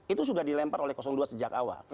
itu sudah dilempar oleh dua sejak awal